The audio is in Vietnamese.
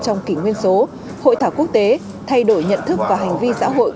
trong kỷ nguyên số hội thảo quốc tế thay đổi nhận thức và hành vi xã hội